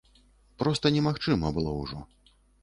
Проста немагчыма было ўжо.